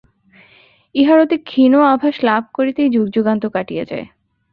ইহার অতি ক্ষীণ আভাস লাভ করিতেই যুগযুগান্ত কাটিয়া যায়।